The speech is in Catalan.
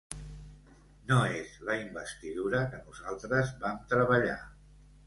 No és la investidura que nosaltres vam treballar.